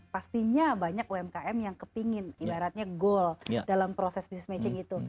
pastinya banyak umkm yang kepingin ibaratnya goal dalam proses bisnis matching itu